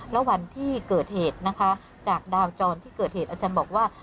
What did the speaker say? แล้ววันที่เกิดเหตุนะคะจากดาวจรที่เกิดเหตุอาจารย์บอกว่า